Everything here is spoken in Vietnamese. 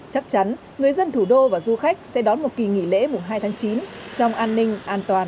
chắc chắn người dân thủ đô và du khách sẽ đón một kỳ nghỉ lễ mùng hai tháng chín trong an ninh an toàn